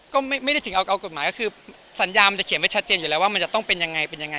ก็ไม่ได้ถึงเอากฎหมายก็คือสัญญามันจะเขียนไว้ชัดเจนอยู่แล้วว่ามันจะต้องเป็นยังไงเป็นยังไง